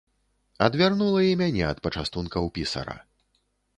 Адвярнула і мяне ад пачастункаў пісара.